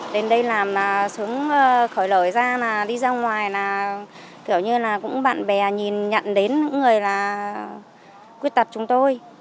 đến đây làm là sướng khỏi lời ra đi ra ngoài là kiểu như là cũng bạn bè nhìn nhận đến những người là khuyết tật chúng tôi